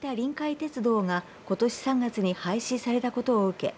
鉄道がことし３月に廃止されたことを受け